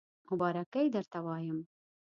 مبارکی درته وایم